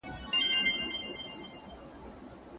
حکومت د افغان کډوالو د جبري ایستلو پريکړه نه مني.